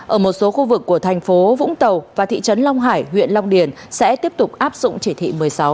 ở một số khu vực của thành phố vũng tàu và thị trấn long hải huyện long điền sẽ tiếp tục áp dụng chỉ thị một mươi sáu